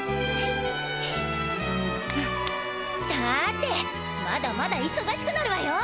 さてまだまだいそがしくなるわよ！